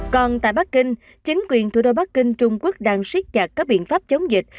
còn tại bắc kinh chính quyền thủ đô bắc kinh trung quốc đang siết chặt các biện pháp chống dịch